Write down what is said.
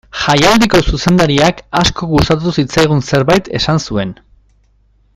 Jaialdiko zuzendariak asko gustatu zitzaigun zerbait esan zuen.